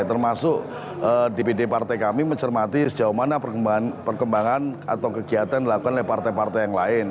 termasuk dpd partai kami mencermati sejauh mana perkembangan atau kegiatan dilakukan oleh partai partai yang lain